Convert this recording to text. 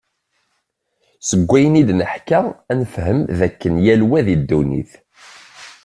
Seg wayen id-neḥka ad nefhem, d akken yal wa di ddunit.